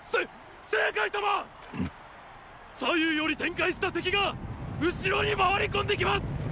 ⁉左右より展開した敵が後ろに回り込んで来ますっ！！